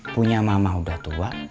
punya mama udah tua